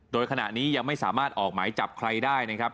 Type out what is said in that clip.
โดยขณะนี้ยังไม่สามารถออกหมายจับใครได้นะครับ